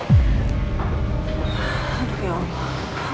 aduh ya allah